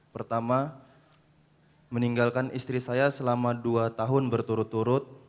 pertama meninggalkan istri saya selama dua tahun berturut turut